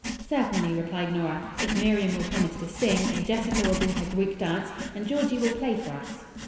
"Certainly," replied Nora, "if Miriam will promise to sing, and Jessica will do her Greek dance, and Georgie will play for us."